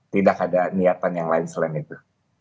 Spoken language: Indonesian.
tidak ada niatan yang lain selain itu